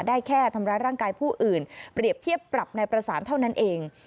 ได้แค่ทำร้ายร่างกายผู้อื่นเปรียบเทียบปรับในประสานเท่านั้นเอง